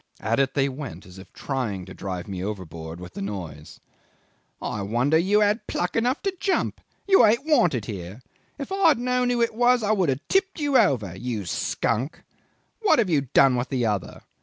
At it they went, as if trying to drive me overboard with the noise! ... 'I wonder you had pluck enough to jump. You ain't wanted here. If I had known who it was, I would have tipped you over you skunk! What have you done with the other?